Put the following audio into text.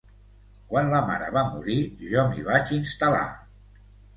Quan la mare va morir jo m'hi vaig instal·lar.